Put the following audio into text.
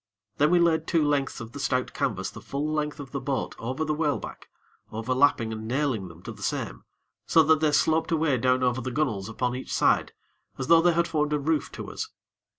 Then we laid two lengths of the stout canvas the full length of the boat over the whaleback, overlapping and nailing them to the same, so that they sloped away down over the gunnels upon each side as though they had formed a roof to us.